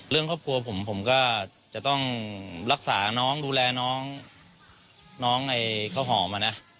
เรื่องครอบครัวผมก็จะต้องรักษาน้องดูแลน้องเขาหอม